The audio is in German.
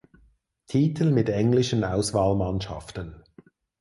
Titel mit englischen Auswahlmannschaften